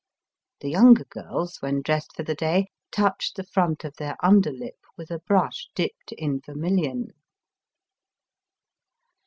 The younger girls when dressed for the day touch the front of their under Kp with a brush dipped in vermilion.